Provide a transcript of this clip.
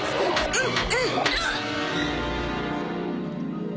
うっ！